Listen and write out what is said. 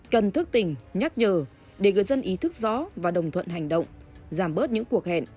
cần thức tỉnh nhắc nhở để người dân ý thức rõ và đồng thuận hành động giảm bớt những cuộc hẹn